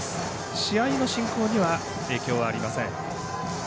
試合の進行には影響はありません。